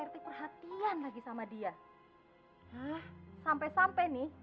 buat mengobati luka kamu